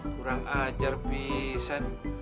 kurang ajar bisa